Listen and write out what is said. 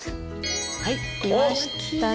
はいいましたね！